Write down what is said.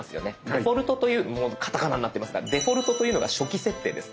デフォルトというカタカナになってますがデフォルトというのが初期設定です。